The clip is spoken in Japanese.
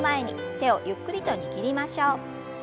手をゆっくりと握りましょう。